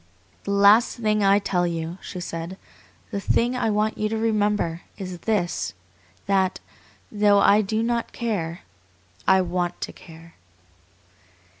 "The last thing I tell you," she said, "the thing I want you to remember, is this, that, though I do not care I WANT to care."